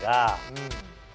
うん。